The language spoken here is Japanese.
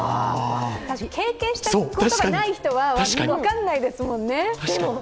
経験したことがない人は分からないですもんね。